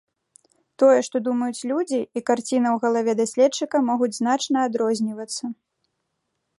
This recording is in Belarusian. Тое, што думаюць людзі, і карціна ў галаве даследчыка могуць значна адрознівацца.